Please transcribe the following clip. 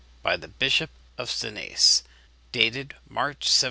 by the Bishop of Senés, dated March 1709.